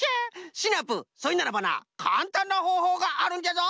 シナプーそれならばなかんたんなほうほうがあるんじゃぞ。